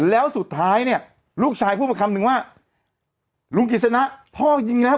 แล้วสุดท้ายเนี่ยลูกชายพูดมาคำนึงว่าลุงกิจสนะพ่อยิงแล้ว